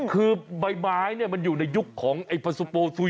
อยากจะตั้งใจฟังผู้กุญ